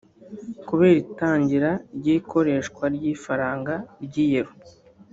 kubera itangira ry’ikoreshwa ry’ifaranga ry’iyero